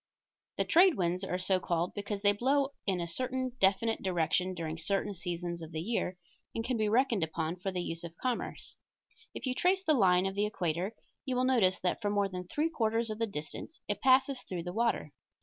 The trade winds are so called because they blow in a certain definite direction during certain seasons of the year, and can be reckoned upon for the use of commerce. If you trace the line of the equator you will notice that for more than three quarters of the distance it passes through the water.